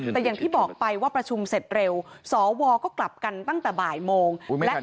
แต่อย่างที่บอกไปว่าประชุมเสร็จเร็วสวก็กลับกันตั้งแต่บ่ายโมง